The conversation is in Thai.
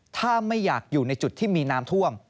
ถ้าไม่อยากอยู่ในจุดที่มีน้ำท่วม